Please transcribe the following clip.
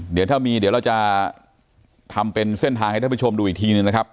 เดี๋ยวถ้ามีเดี๋ยวเราจะทำเป็นเส้นทางให้ท่านผู้ชมดูอีกทีหนึ่งนะครับ